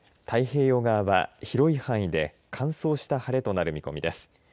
太平洋側は広い範囲で乾燥した晴れとなる見込みです。